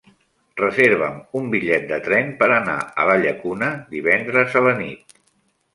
Reserva'm un bitllet de tren per anar a la Llacuna divendres a la nit.